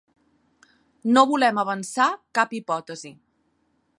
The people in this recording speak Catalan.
No volem avançar cap hipòtesi.